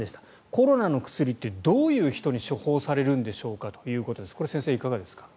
コロナの薬ってどういう人に処方されるんでしょうかということです。